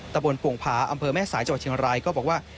ตะบนปวงผาอำเภอแม่สายจังหวัดเชียงรายก็บอกว่า